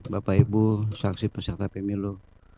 bapak ibu saksi peserta pemilu